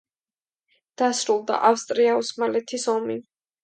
დასრულდა ავსტრია-ოსმალეთის ომი.